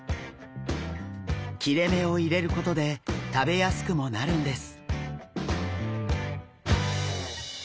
切れ目を入れることで食べやすくもなるんです。